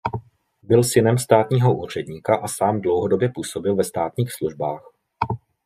Byl synem státního úředníka a sám dlouhodobě působil ve státních službách.